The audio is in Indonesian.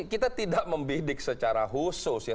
kita tidak membidik secara khusus ya